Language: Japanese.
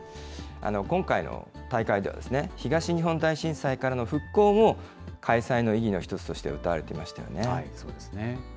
今回の大会では、東日本大震災からの復興も、開催の意義の一つとしてうたわれていましたよね。